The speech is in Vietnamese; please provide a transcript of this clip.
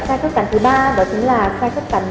sai khớp cắn thứ ba đó chính là sai khớp cắn